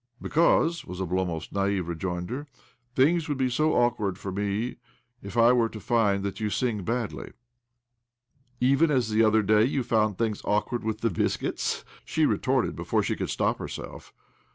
''Because," was Oblomov's naive re joinder, " things would be so awkward for me if I were to find that you sing badly." '■ Even as, the other day, you found things awkward with the biscuits ?" she retorted before she could stop herself.